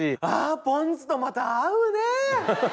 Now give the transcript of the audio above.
あポン酢とまた合うね！